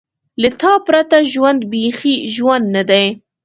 له تا پرته ژوند بېخي ژوند نه دی.